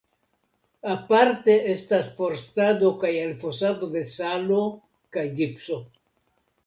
Aparte estas forstado kaj elfosado de salo kaj gipso.